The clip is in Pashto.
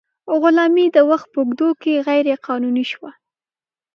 غلامي د وخت په اوږدو کې غیر قانوني شوه.